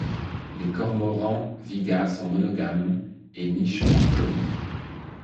Les Cormorans vigua sont monogames et nichent en colonies.